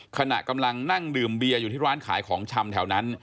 ขณะกำลังนั่งดื่มเบียร์อยู่ที่ร้านขายของชำแถวนั้น